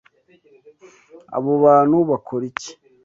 Abo bantu bakora iki?